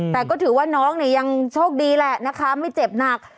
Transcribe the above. แต่ก็ถือว่าน้องเนี่ยยังโชคดีแหละนะคะไม่เจ็บหนัก